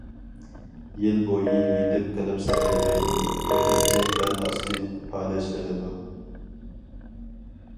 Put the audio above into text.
يىل بويى يېتىپ قېلىپ ساقايمايدۇ، كۆپىنچە بەل ئاستى پالەچلىنىدۇ.